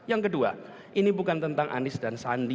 yang kedua ini bukan tentang anies dan sandi